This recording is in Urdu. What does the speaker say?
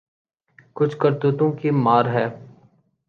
کچھ کرتوتوں کی مار ہے۔